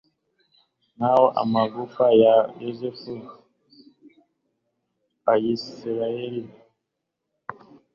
naho amagufa ya yozefu abayisraheli bari bavanye mu misiri